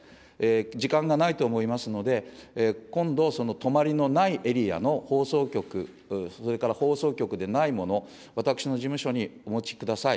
時間がないと思いますので、今度、その泊まりのないエリアの放送局、それから放送局でないもの、私の事務所にお持ちください。